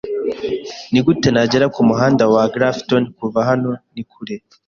Nigute nagera kumuhanda wa Grafton kuva hano? Ni kure?